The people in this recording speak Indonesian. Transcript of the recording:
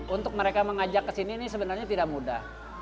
untuk mereka mengajak ke sini ini sebenarnya tidak mudah